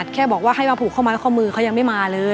แค่บอกว่าให้มาผูกข้อไม้ข้อมือเขายังไม่มาเลย